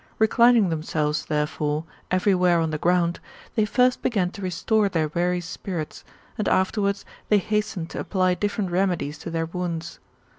Reclining themselves, therefore, everywhere on the ground, they first began to restore their weary spirits, and afterwards they hastened to apply different remedies to their wounds.